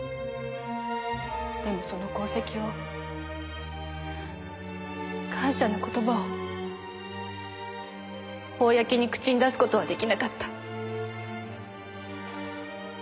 でもその功績を感謝の言葉を公に口に出す事は出来なかった。